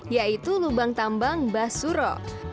yaitu lubang tambang basuro